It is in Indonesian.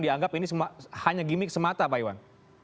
dianggap ini hanya gimmick semata pak iwan